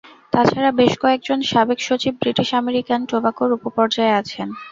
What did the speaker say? তা ছাড়া বেশ কয়েকজন সাবেক সচিব ব্রিটিশ আমেরিকান টোব্যাকোর উচ্চপর্যায়ে আছেন।